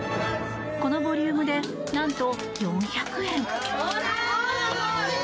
このボリュームでなんと４００円。